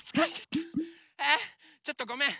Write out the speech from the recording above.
ちょっとごめん。